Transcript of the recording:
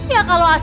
ya kalau asri